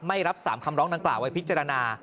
ไม่รับ๓คำร้องดังกล่าไว้พิจารณา